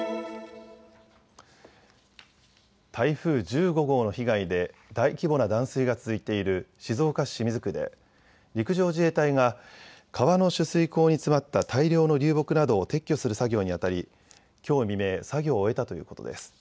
台風１５号の被害で大規模な断水が続いている静岡市清水区で陸上自衛隊が川の取水口に詰まった大量の流木などを撤去する作業にあたりきょう未明、作業を終えたということです。